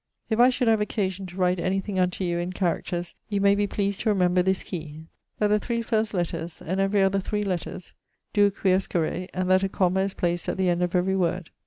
'If I should have occasion to write anything unto you in characters you may be pleased to remember this key, that the three first letters and every other three letters doe quiescere and that a comma is placed at the end of every word.